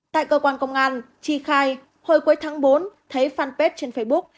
tại cơ quan công an chi khai hồi cuối tháng bốn thấy fanpage trên facebook